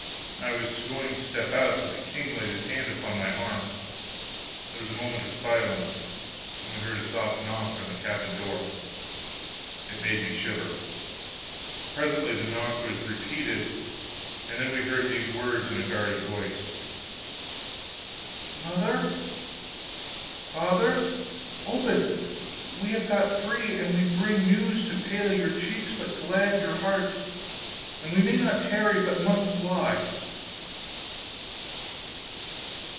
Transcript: I was going to step out, but the king laid his hand upon my arm. There was a moment of silence, then we heard a soft knock on the cabin door. It made me shiver. Presently the knock was repeated, and then we heard these words in a guarded voice: "Mother! Father! Open we have got free, and we bring news to pale your cheeks but glad your hearts; and we may not tarry, but must fly!